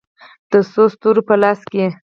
د څو ستورو په لاسو کې